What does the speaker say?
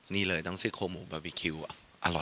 นี่เลยซีโครงหมูบาร์บิคิวอ่ะอร่อยมากอยากจะแนะนำ